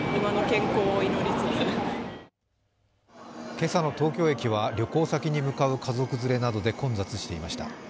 今朝の東京駅は旅行先に向かう家族連れなどで混雑していました。